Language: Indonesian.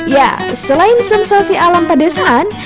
ya selain sensasi alam pedesaan